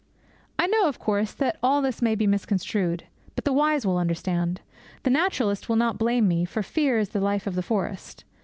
I know, of course, that all this may be misconstrued. But the wise will understand. The naturalist will not blame me, for fear is the life of the forest.